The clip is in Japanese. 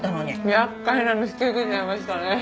厄介なの引き受けちゃいましたね。